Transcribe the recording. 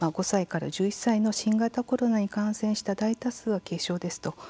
５歳から１１歳の新型コロナに感染した大多数は軽症ですと。